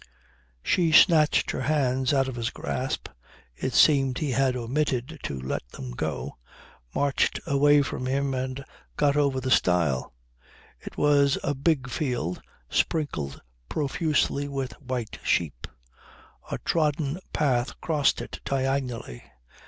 She snatched her hands out of his grasp (it seems he had omitted to let them go), marched away from him and got over the stile. It was a big field sprinkled profusely with white sheep. A trodden path crossed it diagonally.